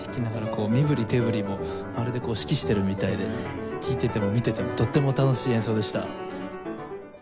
こう身ぶり手ぶりもまるで指揮しているみたいで聴いてても見ててもとっても楽しい演奏でした。